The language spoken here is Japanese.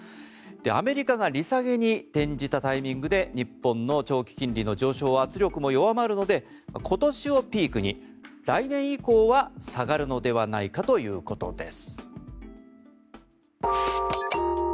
アメリカが利下げに転じたタイミングで日本の長期金利の上昇圧力も弱まるので今年をピークに来年以降は下がるのではないかということです。